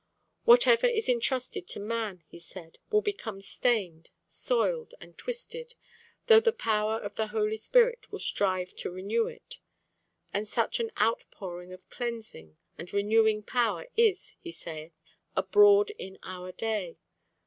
Whatever is entrusted to man, he said, will become stained, soiled, and twisted, though the power of the Holy Spirit will strive to renew it. And such an outpouring of cleansing and renewing power is, he saith, abroad in our day.